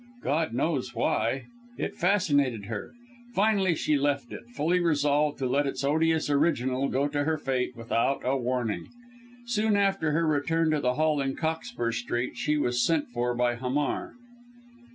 God knows why! It fascinated her. Finally she left it, fully resolved to let its odious original go to her fate without a warning. Soon after her return to the Hall in Cockspur Street, she was sent for by Hamar.